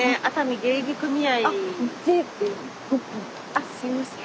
あっすいません